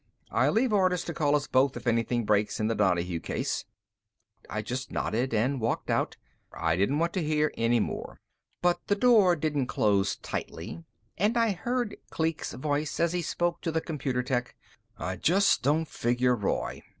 I'll leave orders to call us both if anything breaks in the Donahue case." I just nodded and walked out. I didn't want to hear any more. But the door didn't close tightly, and I heard Kleek's voice as he spoke to the computer tech. "I just don't figure Roy.